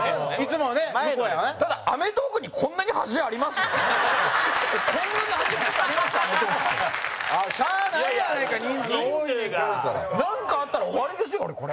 村上：なんかあったら終わりですよ、俺、これ。